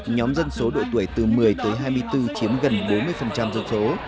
nhóm dân số độ tuổi từ một mươi tới hai mươi bốn chiếm gần bốn mươi dân số